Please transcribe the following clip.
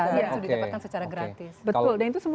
itu didepatkan secara gratis